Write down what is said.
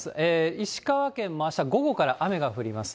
石川県もあした午後から雨が降ります。